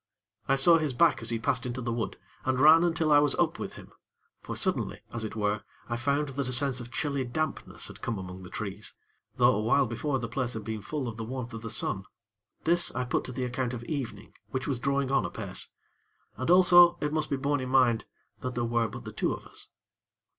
I saw his back as he passed into the wood, and ran until I was up with him; for, suddenly, as it were, I found that a sense of chilly dampness had come among the trees; though a while before the place had been full of the warmth of the sun. This, I put to the account of evening, which was drawing on apace; and also, it must be borne in mind, that there were but the two of us.